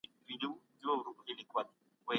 که څوک وغواړي، خپل دين په ازاده توګه ټاکي.